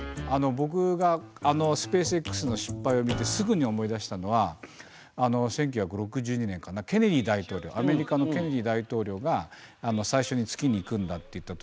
僕がスペースＸの失敗を見てすぐに思い出したのは１９６２年かなケネディ大統領アメリカのケネディ大統領が「最初に月に行くんだ」って言ったときに